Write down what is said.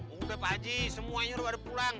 udah pak haji semuanya sudah pada pulang